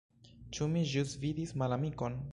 Ĉu mi ĵus vidis malamikon?